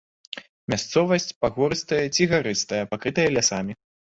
Мясцовасць пагорыстая ці гарыстая, пакрытая лясамі.